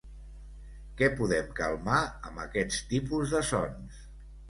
Què podem calmar amb aquest tipus de sons?